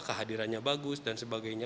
kehadirannya bagus dan sebagainya